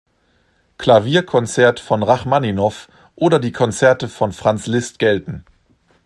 Klavierkonzert von Rachmaninow oder die Konzerte von Franz Liszt gelten.